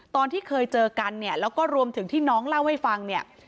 ตอนที่เคยเจอกันเนี่ยแล้วก็รวมถึงที่น้องเล่าให้ฟังเนี่ย